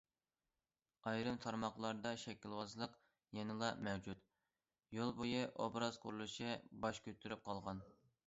ئايرىم تارماقلاردا شەكىلۋازلىق يەنىلا مەۋجۇت، يول بويى‹‹ ئوبراز قۇرۇلۇشى›› باش كۆتۈرۈپ قالغان.